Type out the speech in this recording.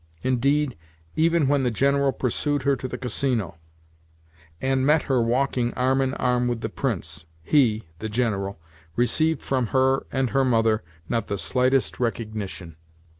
Indeed, even when the General pursued her to the Casino, and met her walking arm in arm with the Prince, he (the General) received from her and her mother not the slightest recognition.